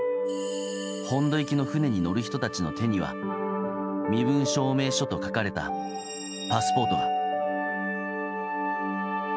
本渡行きの船に乗る人たちの手には身分証明書と書かれたパスポートが。